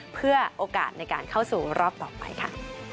เพื่อโอกาสในการเข้าสู่รอบต่อไปค่ะ